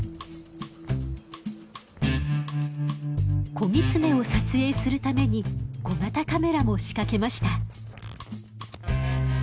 子ギツネを撮影するために小型カメラも仕掛けました。